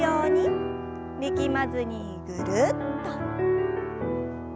力まずにぐるっと。